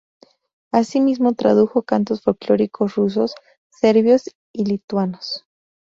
Asimismo tradujo cantos folclóricos rusos, serbios y lituanos.